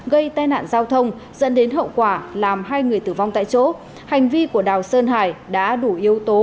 gây tai nạn giao thông dẫn đến hậu quả làm hai người tử vong tại chỗ hành vi của đào sơn hải đã đủ yếu tố